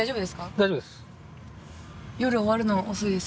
大丈夫です。